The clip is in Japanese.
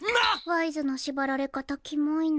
ワイズの縛られ方キモいの。